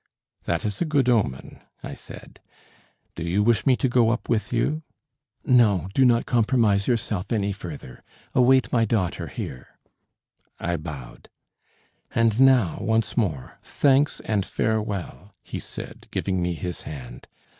"That is a good omen," I said; "do you wish me to go up with you?" "No. Do not compromise yourself any further. Await my daughter here." I bowed. "And now, once more, thanks and farewell," he said, giving me his hand.